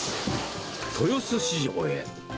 豊洲市場へ。